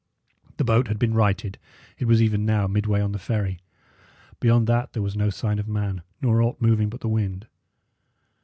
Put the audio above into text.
The boat had been righted it was even now midway on the ferry. Beyond that there was no sign of man, nor aught moving but the wind.